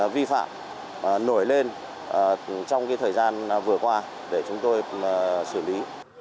vi phạm nổi lên trong thời gian vừa qua để chúng tôi xử lý